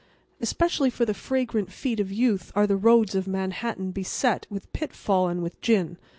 Especially for the vagrant feet of youth are the roads of Manhattan beset "with pitfall and with gin."